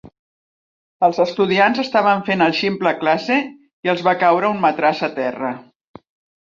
Els estudiants estaven fent el ximple a classe i els va caure un matràs a terra.